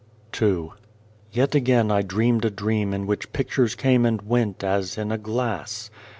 189 II YET again I dreamed a dream in which pictures came and went as in a glass.